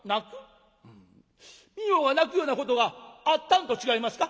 みよが泣くようなことがあったんと違いますか？」。